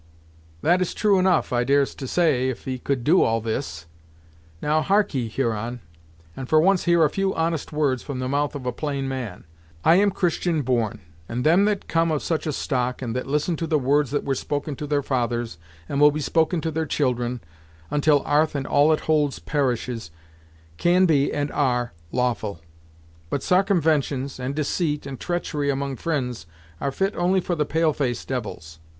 "That is true enough, I dares to say, if he could do all this. Now, harkee, Huron, and for once hear a few honest words from the mouth of a plain man. I am Christian born, and them that come of such a stock, and that listen to the words that were spoken to their fathers and will be spoken to their children, until 'arth and all it holds perishes, can never lend themselves to such wickedness. Sarcumventions in war, may be, and are, lawful; but sarcumventions, and deceit, and treachery among fri'inds are fit only for the pale face devils.